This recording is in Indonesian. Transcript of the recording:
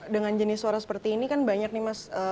dengan jenis suara seperti ini kan banyak nih mas